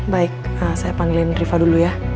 baik saya panggilin rifa dulu ya